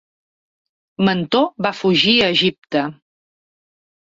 Mentor va fugir a Egipte.